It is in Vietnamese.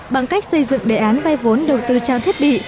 bằng cách xây dựng đề án vay vốn đầu tư trang thiết bị